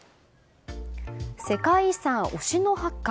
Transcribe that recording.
世界遺産、忍野八海。